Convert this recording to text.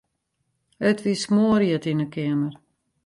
It wie smoarhjit yn 'e keamer.